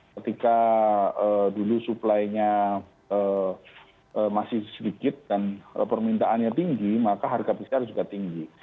ketika dulu suplainya masih sedikit dan permintaannya tinggi maka harga pcr juga tinggi